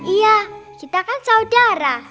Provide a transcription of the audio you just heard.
iya kita kan saudara